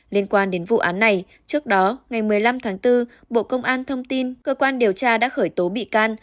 liên quan đến vụ án này trước đó ngày một mươi năm tháng bốn bộ công an thông tin cơ quan điều tra đã khởi tố bị can